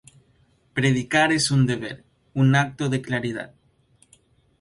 Predicar es un deber, un acto de caridad.